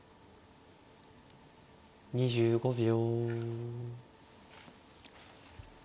２５秒。